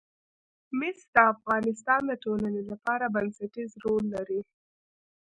مس د افغانستان د ټولنې لپاره بنسټيز رول لري.